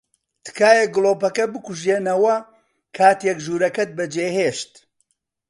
تکایە گڵۆپەکە بکوژێنەوە کاتێک ژوورەکەت بەجێھێشت.